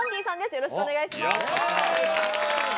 よろしくお願いします。